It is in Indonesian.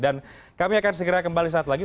dan kami akan segera kembali suatu lagi